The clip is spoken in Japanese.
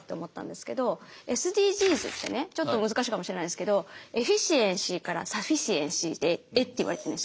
ちょっと難しいかもしれないですけどエフィシエンシーからサフィシエンシーへっていわれてるんですよ。